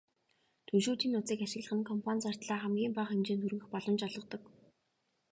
Түншүүдийн нууцыг ашиглах нь компани зардлаа хамгийн бага хэмжээнд хүргэх боломж олгодог.